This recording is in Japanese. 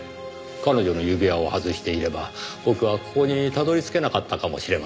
彼女の指輪を外していれば僕はここに辿り着けなかったかもしれません。